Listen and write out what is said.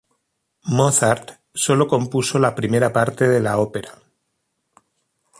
Mozart solo compuso la primera parte de la ópera.